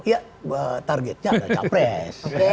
ya targetnya ada capres